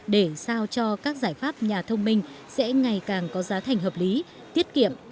để sao cho các giải pháp nhà thông minh sẽ ngày càng có giá thành hợp lý tiết kiệm